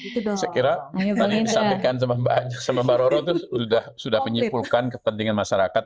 saya kira tadi yang disampaikan sama mbak roro itu sudah menyimpulkan kepentingan masyarakat